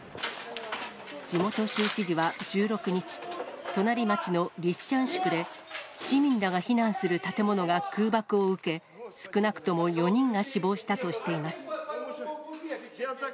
地元州知事は１６日、隣町のリシチャンシクで、市民らが避難する建物が空爆を受け、少なくとも４人が死亡したとしています。